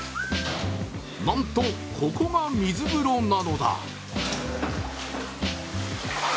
なんと、ここが水風呂なのだ。